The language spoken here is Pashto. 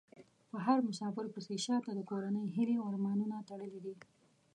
په هر مسافر پسې شا ته د کورنۍ هيلې او ارمانونه تړلي دي .